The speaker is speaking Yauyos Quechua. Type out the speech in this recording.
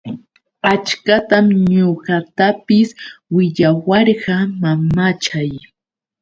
Achkatam ñuqatapis willawarqa mamachay.